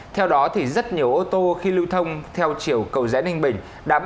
theo đó rất nhiều ô tô khi lưu thông theo chiều cầu rẽ ninh bình